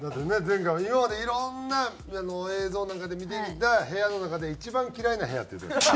前回も「今までいろんな映像の中で見てきた部屋の中で一番嫌いな部屋」って言ってました。